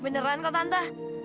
beneran kok tante